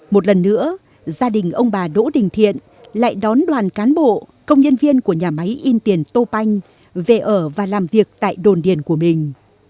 một lần nữa gia đình ông bà đỗ đình thiện lại đón đoàn cán bộ công nhân viên của nhà máy in tiền topanh về ở và làm việc tại đồn điền của mình